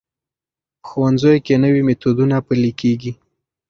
په ښوونځیو کې نوي میتودونه پلي کېږي.